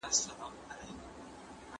قدرت بايد له قانوني منبع څخه وي.